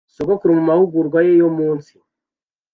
Sogokuru mu mahugurwa ye yo munsi